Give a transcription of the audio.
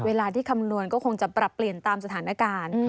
เวลาที่คำนวณก็คงจะปรับเปลี่ยนตามสถานการณ์